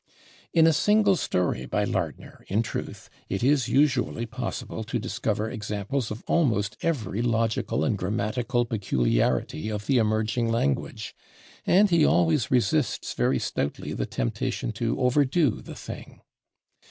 In a single story by Lardner, in truth, it is usually possible to discover examples of almost every logical and grammatical peculiarity of the emerging language, and he always resists very stoutly the temptation to overdo the thing.